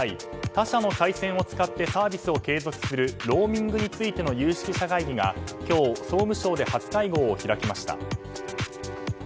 他社の回線を使ってサービスを継続するローミングについての有識者会議が今日、総務省で初会合を開きました。